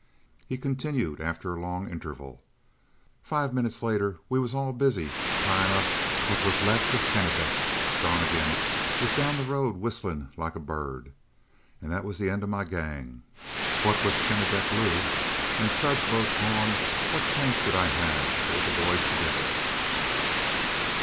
He continued, after a long interval: "Five minutes later we was all busy tyin' up what was left of Kennebec; Donnegan was down the road whistlin' like a bird. And that was the end of my gang. What with Kennebec Lou and Suds both gone, what chance did I have to hold the boys together?"